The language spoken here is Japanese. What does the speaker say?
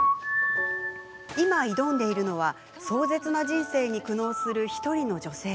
今、挑んでいるのは壮絶な人生に苦悩する１人の女性。